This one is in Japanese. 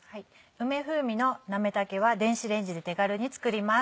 梅風味のなめたけは電子レンジで手軽に作ります。